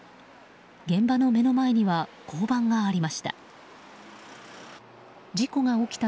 現場の目の前には交番がありました。